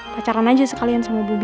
pacaran aja sekalian sama bobby